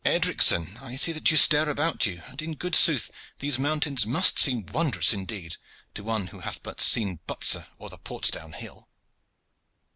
Edricson, I see that you stare about you, and in good sooth these mountains must seem wondrous indeed to one who hath but seen Butser or the Portsdown hill."